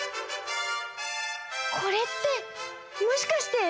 これってもしかしてわたし？